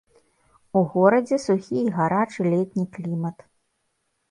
У горадзе сухі і гарачы летні клімат.